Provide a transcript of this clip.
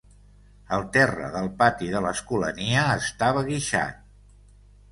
El terra del pati de l'Escolania estava guixat.